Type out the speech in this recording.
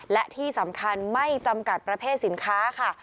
และที่สำคัญไม่จำกัดประเภทสินค้าค่ะ